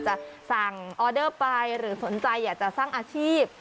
จะสั่งออเดอร์ไปหรือสนใจอยากจะสร้างอาชีพ